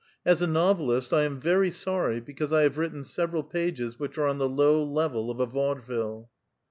As a novelist, I am very sorry \ because I have written several pages which are on the low level of a vaudeville.